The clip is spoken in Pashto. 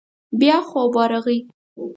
بيا خوب ورغی.